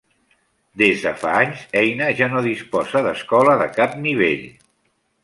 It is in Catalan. Des de fa anys, Eina ja no disposa d'escola de cap nivell.